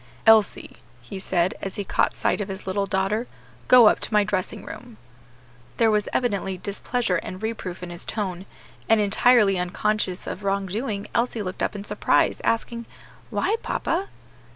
"Elsie," he said, as he caught sight of his little daughter, "go up to my dressing room." There was evidently displeasure and reproof in his tone, and, entirely unconscious of wrongdoing, Elsie looked up in surprise, asking, "Why, papa?"